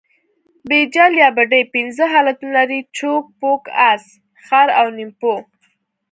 بیجل یا بډۍ پنځه حالتونه لري؛ چوک، پوک، اس، خر او نیمپو.